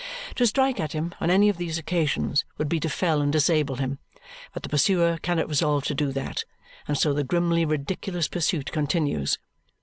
To strike at him on any of these occasions would be to fell and disable him, but the pursuer cannot resolve to do that, and so the grimly ridiculous pursuit continues.